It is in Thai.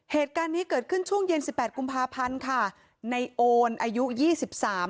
เหตุการณ์นี้เกิดขึ้นช่วงเย็นสิบแปดกุมภาพันธ์ค่ะในโอนอายุยี่สิบสาม